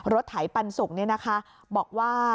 รถไถปันสุก